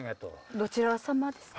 どちら様ですか？